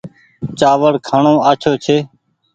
چآوڙ کآڻو آڇو ڇي ۔